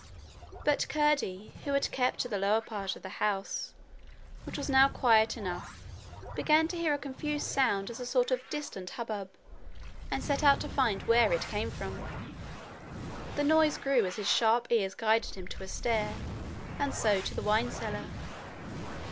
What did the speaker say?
But Curdie, who had kept to the lower part of the house, which was now quiet enough, began to hear a confused sound as of a distant hubbub, and set out to find where it came from. The noise grew as his sharp ears guided him to a stair and so to the wine cellar.